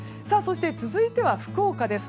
続いては福岡です。